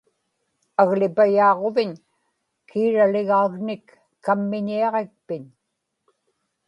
aglipayaaġuviñ kiiraligaagnik kammiñiaġikpiñ